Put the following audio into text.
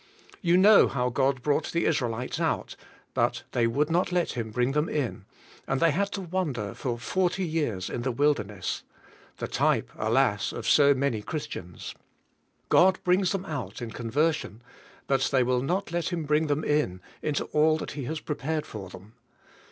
. You know how God brought the Israelites out, but they would not let Him bring 49 50 ENTRANCE INTO REST them in and they had to wander for forty years in the wilderness — the type, alas! of so many Christians. God brings them out in conversion, but they will not let Him bring them in into all that He has prepared for them.